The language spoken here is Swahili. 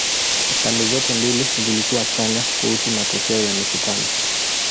Pande zote mbili zilikuwa chanya kuhusu matokeo ya mikutano.